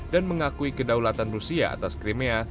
dan mengakui kedaulatan rusia atas crimea